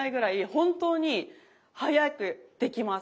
本当に速くできます。